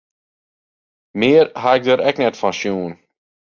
Mear ha ik dêr ek net fan sjoen.